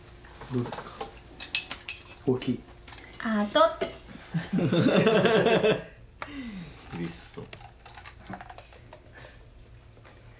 うれしそう。